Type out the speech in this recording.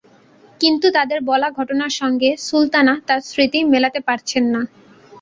কিন্তু তাদের বলা ঘটনার সঙ্গে সুলতানা তাঁর স্মৃতি মেলাতে পারছেন না।